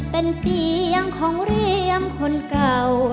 เป็นเสียงของเหรียมคนเก่า